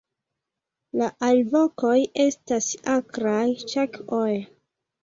La alvokoj estas akraj "ĉak"'oj.